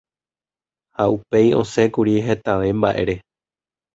ha upéi osẽkuri hetave mba'ére